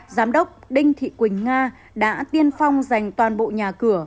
giám đốc đinh thị quỳnh nga đã tiên phong dành toàn bộ nhà cửa